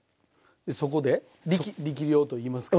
そこで力量といいますか。